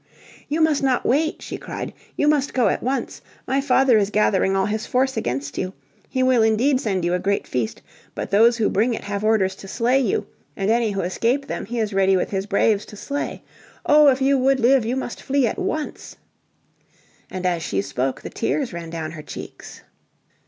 "You must not wait," she cried, "you must go at once. My father is gathering all his force against you. He will indeed send you a great feast, but those who bring it have orders to slay you, and any who escape them he is ready with his braves to slay. Oh, if you would live you must flee at once," and as she spoke the tears ran down her cheeks.